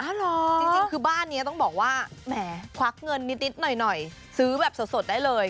จริงคือบ้านนี้ต้องบอกว่าแหมควักเงินนิดหน่อยซื้อแบบสดได้เลย